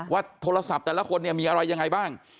ว่าโทรศัพท์แต่ละคนเนี่ยมีอะไรยังไงบ้าง